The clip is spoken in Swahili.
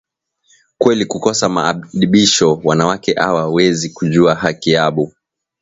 Kweli ku kosa ma adibisho wanawake awa wezi kujuwa haki yabo